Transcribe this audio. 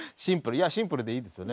いやシンプルでいいですよね？